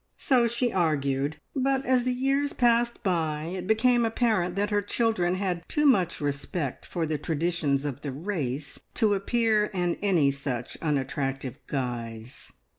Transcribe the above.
So she argued; but as the years passed by, it became apparent that her children had too much respect for the traditions of the race to appear an any such unattractive guise.